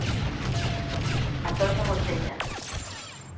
Antonio Botella